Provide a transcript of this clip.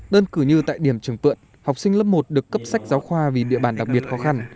đơn cử như tại điểm trường phượn học sinh lớp một được cấp sách giáo khoa vì địa bàn đặc biệt khó khăn